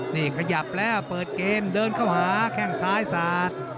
นี่ขยับแล้วเปิดเกมเดินเข้าหาแข้งซ้ายสาด